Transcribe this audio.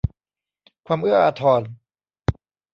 ความเอื้ออาทร